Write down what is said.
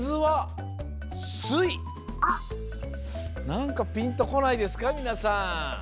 なんかピンとこないですかみなさん？